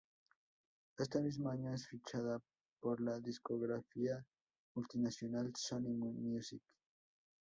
Este mismo año es fichada por la discográfica multinacional Sony Music.